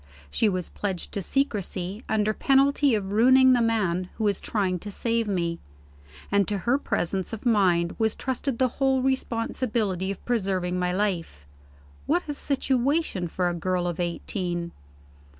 She was pledged to secrecy, under penalty of ruining the man who was trying to save me; and to her presence of mind was trusted the whole responsibility of preserving my life. What a situation for a girl of eighteen!